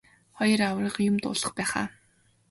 Хоёр аварга юм дуулгах байх аа.